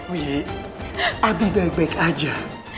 wih lebih baik baik aja